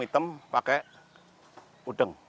hitam pakai udeng